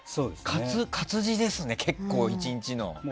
活字ですね、結構、１日も。